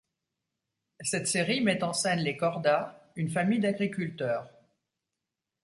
Cette série met en scène les Corda, une famille d'agriculteurs.